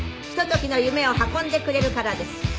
「ひと時の夢を運んでくれるからです」